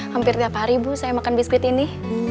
hampir tiap hari ibu saya makan biskuit ini